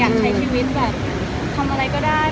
โสดเฉดเฉดสวยต่านแดน